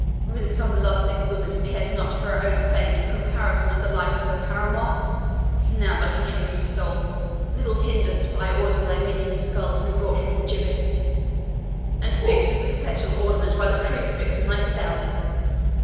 Or is it some lovesick woman who cares not for her own fame in comparison of the life of her paramour? Now, by King Henry's soul! little hinders but I order thy minion's skull to be brought from the gibbet, and fixed as a perpetual ornament by the crucifix in thy cell!"